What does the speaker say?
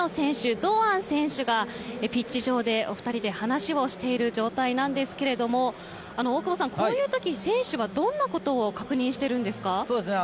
堂安選手がピッチ上で、お二人で話をしている状態なんですけれども大久保さん、こういうとき選手はどんなことをまずはですね